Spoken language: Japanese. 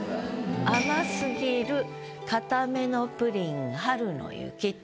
「甘すぎる固めのプリン春の雪」って。